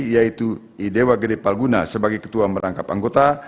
yaitu idewa gede palguna sebagai ketua merangkap anggota